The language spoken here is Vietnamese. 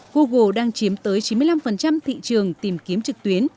google đang chiếm tới chín mươi năm thị trường tìm kiếm trực tuyến